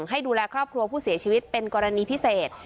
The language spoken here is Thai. ให้ดูแลครอบครัวผู้เสียชีวิตเป็นกรณีพิเศษ